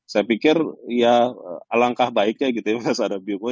saya pikir ya alangkah baiknya gitu ya mas hadapi